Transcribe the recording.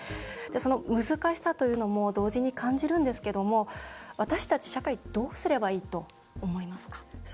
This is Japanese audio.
その難しさというのも同時に感じるんですけども私たち社会ってどうすればいいと思いますか？